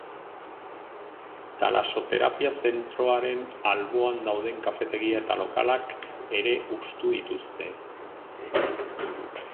Talasoterapia zentroaren alboan dauden kafetegia eta lokalak ere hustu dituzte.